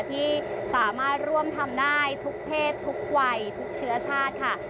ที่สามารถร่วมทำได้ทุกเพศทุกวัยทุกเชื้อชาติค่ะ